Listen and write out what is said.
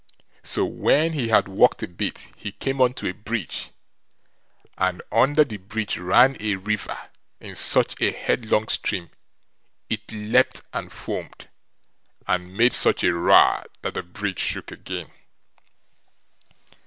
So when he had walked a bit he came on to a bridge, and under the bridge ran a river in such a headlong stream; it leapt, and foamed, and made such a roar, that the bridge shook again.